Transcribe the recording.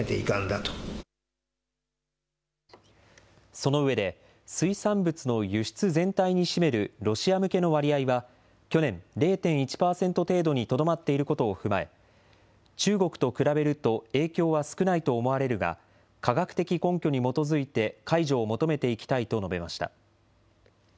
その上で、水産物の輸出全体に占めるロシア向けの割合は、去年、０．１％程度にとどまっていることを踏まえ、中国と比べると影響は少ないと思われるが、科学的根拠に基づいて解除を求めていきたいと述べました。